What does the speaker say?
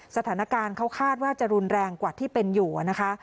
สถานการณ์เขาคาดว่าจะรุนแรงกว่าที่เป็นอยู่นะคะ